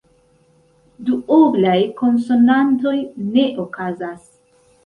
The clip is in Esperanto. Duoblaj konsonantoj ne okazas.